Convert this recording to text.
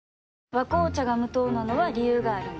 「和紅茶」が無糖なのは、理由があるんよ。